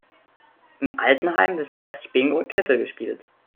Im Altenheim wird fleißig Bingo und Kniffel gespielt.